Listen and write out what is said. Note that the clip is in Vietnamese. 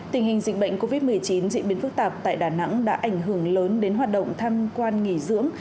tình hình dịch bệnh covid một mươi chín diễn biến phức tạp tại đà nẵng đã ảnh hưởng lớn đến hoạt động tham quan nghỉ dưỡng